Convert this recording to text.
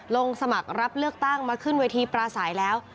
ลงสมัครรับเลือกตั้งมาขึ้นเวทีปราศัยแล้ว